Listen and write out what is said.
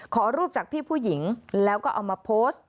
ขอรูปจากพี่ผู้หญิงแล้วก็เอามาโพสต์